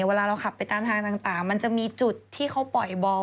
เวลาเราขับไปตามทางต่างมันจะมีจุดที่เขาปล่อยบอล